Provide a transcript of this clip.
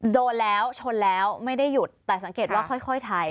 โดนแล้วชนแล้วไม่ได้หยุดแต่สังเกตว่าค่อยถ่าย